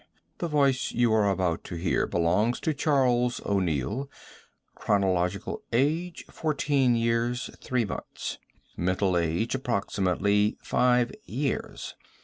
The voice you are about to hear belongs to Charles O'Neill: chronological age fourteen years, three months; mental age, approximately five years.